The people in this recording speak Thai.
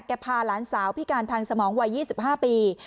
พาหลานสาวพิการทางสมองวัย๒๕ปี